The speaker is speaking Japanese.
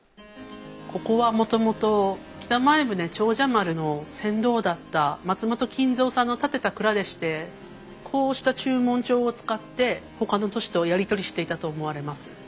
ここはもともと北前船長者丸の船頭だった松本金蔵さんの建てた蔵でしてこうした註文帳を使ってほかの都市とやり取りしていたと思われます。